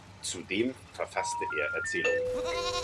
Zudem verfasste er Erzählungen.